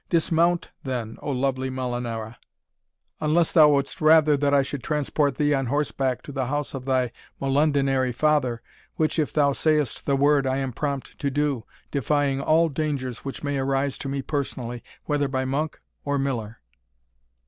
Dismount, then, O lovely Molinara, unless thou wouldst rather that I should transport thee on horseback to the house of thy molendinary father, which, if thou sayest the word, I am prompt to do, defying all dangers which may arise to me personally, whether by monk or miller."